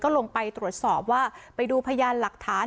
คือไปตรวจสอบไปดูพยานหลักฐาน